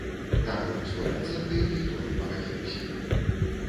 Таму з той ацэнкай ніхто не пагадзіўся.